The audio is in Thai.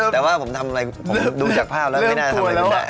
แต่ว่าผมทำอะไรผมดูจากภาพแล้วไม่น่าจะทำอะไรไม่ได้